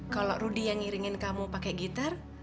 kalau rudy yang ngiringin kamu pakai gitar